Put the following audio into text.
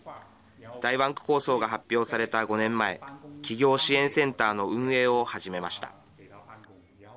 大湾区構想が発表された５年前起業支援センターの運営を始めました。